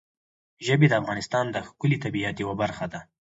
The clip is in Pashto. ژبې د افغانستان د ښکلي طبیعت یوه برخه ده.